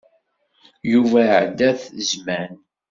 Yuba iɛedda-t zzman.